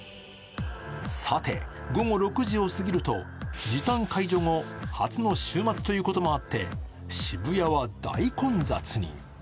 さて、午後６時を過ぎると時短解除後、初の週末ということもあって、渋谷は大混雑に。